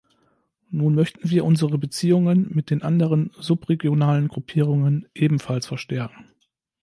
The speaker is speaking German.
Nun möchten wir unsere Beziehungen mit den anderen subregionalen Gruppierungen ebenfalls verstärken.